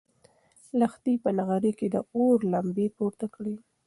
لښتې په نغري کې د اور لمبې پورته کړې.